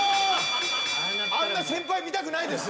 あんな先輩見たくないです。